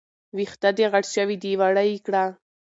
وېښته دې غټ شوي دي، واړه يې کړه